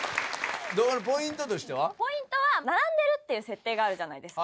ポイントは並んでるっていう設定があるじゃないですか。